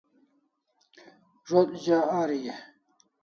Zo't za Ari e ?